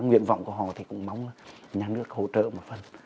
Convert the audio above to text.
nguyện vọng của họ thì cũng mong nhà nước hỗ trợ một phần